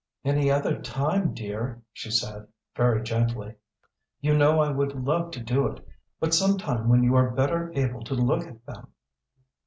"Any other time, dear," she said, very gently. "You know I would love to do it, but some time when you are better able to look at them."